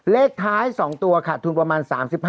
เลขท้าย๒ตัวขาดทุนประมาณ๓๕